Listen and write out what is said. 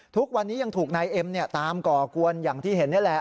ทุกวันนี้ยังถูกนายเอ็มตามก่อกวนอย่างที่เห็นนี่แหละ